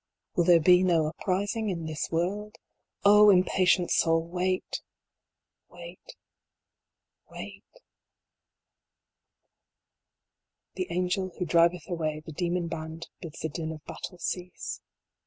Will there be no uprising in this world ? O I impatient Soul, wait, wait, wait II. " The Angel Who driveth away the demon band Bids the din of battle cease."